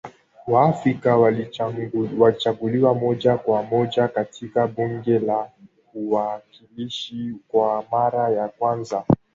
Waafrika walichaguliwa moja kwa moja katika bunge la uwakilishi kwa mara ya kwanza